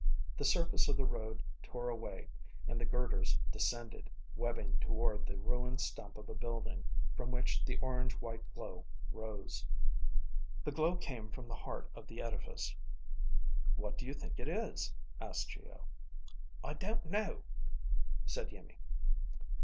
The surface of the road tore away and the girders descended, webbing toward the ruined stump of a building from which the orange white glow rose. The glow came from the heart of the edifice. "What do you think it is?" asked Geo. "I don't know," said Iimmi.